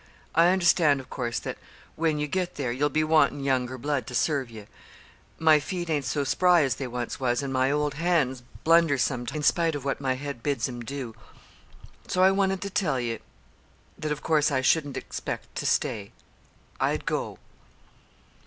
I understand, of course, that when you get there you'll be wantin' younger blood to serve ye. My feet ain't so spry as they once was, and my old hands blunder sometimes, in spite of what my head bids 'em do. So I wanted to tell ye that of course I shouldn't expect to stay. I'd go."